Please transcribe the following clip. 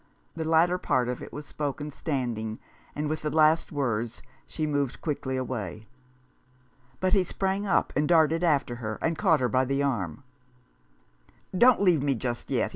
The latter part of it was spoken standing, and with the last words she moved quickly away. But he sprang up, and darted after her, and caught her by the arm. " Don't leave me just yet